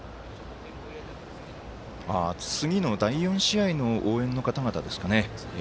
次の第４試合の応援の方々ですかね。